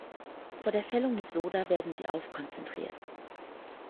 Vor der Fällung mit Soda werden sie aufkonzentriert.